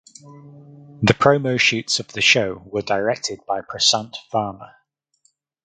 The promo shoots of the show were directed by Prasanth Varma.